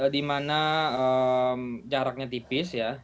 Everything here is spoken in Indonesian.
di mana jaraknya tipis ya